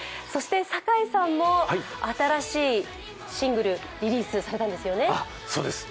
そして酒井さんは新しいシングルリリースされたんですよね。